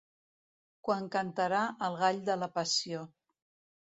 Quan cantarà el gall de la Passió.